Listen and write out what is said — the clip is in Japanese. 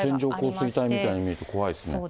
これは線状降水帯みたいに見えて怖いですね。